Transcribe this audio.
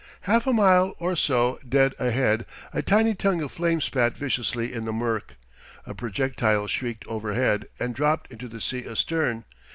Half a mile or so dead ahead a tiny tongue of flame spat viciously in the murk. A projectile shrieked overhead, and dropped into the sea astern.